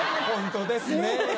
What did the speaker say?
本当ですねぇ。